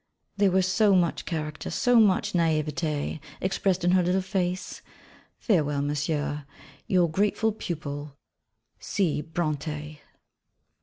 There was so much character, so much naïveté expressed in her little face. Farewell, Monsieur Your grateful pupil, C. Brontë.